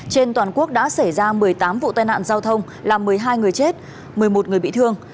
trên toàn quốc đã xảy ra một mươi tám vụ tai nạn giao thông làm một mươi hai người chết một mươi một người bị thương